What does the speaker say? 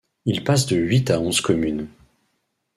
Il passe de huit à onze communes.